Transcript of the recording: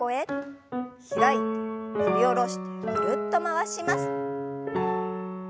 開いて振り下ろしてぐるっと回します。